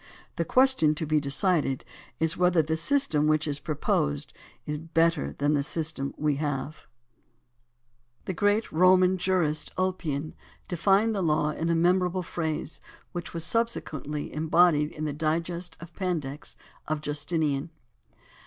The question to be de cided is whether the system which is proposed is better than the system we have. The great Roman jurist, Ulpian, defined the law in a memorable phrase which AND THE RECALL OF JUDGES 105 was subsequently embodied in the Digest or Pandects of Justinian.